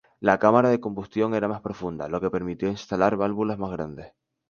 La cámara de combustión era más profunda, lo que permitió instalar válvulas más grandes.